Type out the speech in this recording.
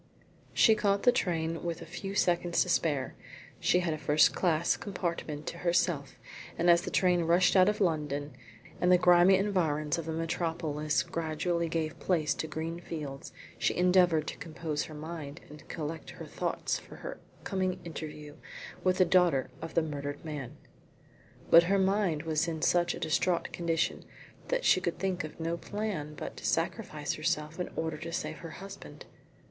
She caught the train with a few seconds to spare. She had a first class compartment to herself, and as the train rushed out of London, and the grimy environs of the metropolis gradually gave place to green fields, she endeavoured to compose her mind and collect her thoughts for her coming interview with the daughter of the murdered man. But her mind was in such a distraught condition that she could think of no plan but to sacrifice herself in order to save her husband.